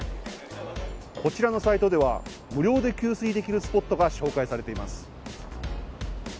こちらのサイトでは、無料で給水できるスポットが紹介されています。